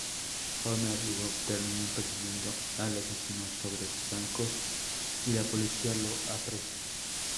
Homer y Bob terminan persiguiendo al asesino sobre zancos, y la policía lo apresa.